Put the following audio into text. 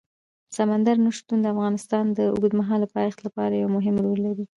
سمندر نه شتون د افغانستان د اوږدمهاله پایښت لپاره یو مهم رول لري.